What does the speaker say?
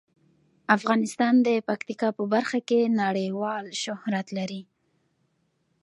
افغانستان د پکتیکا په برخه کې نړیوال شهرت لري.